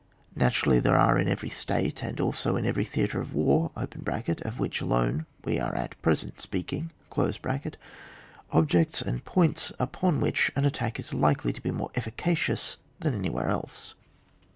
Naturally there are in every State, and also in every theatre of war (of which alone we are at present speaking), ob jects and points upon which an attack is likely to be more efficacious than any where else.